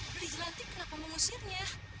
beri jelantik kenapa mengusirnya